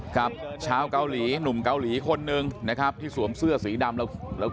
กับชาวเกาหลีหนุ่มเกาหลีคนหนึ่งนะครับที่สวมเสื้อสีดำแล้ว